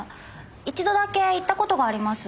一度だけ行った事があります。